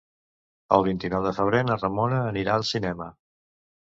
El vint-i-nou de febrer na Ramona anirà al cinema.